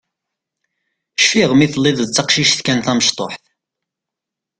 Cfiɣ mi telliḍ d taqcict kan tamecṭuḥt.